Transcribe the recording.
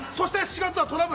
４月はトラブル？